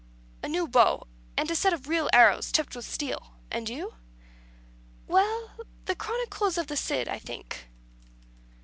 "A new bow, and a set of real arrows tipped with steel. And you?" "Well the 'Chronicles of the Cid,' I think."